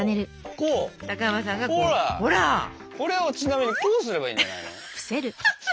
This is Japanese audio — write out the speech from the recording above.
これをちなみにこうすればいいんじゃないの？